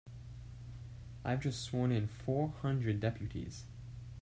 I've just sworn in four hundred deputies.